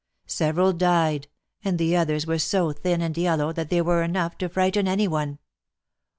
Several died, and the others were so thin and yellow that they were enough to frighten any one.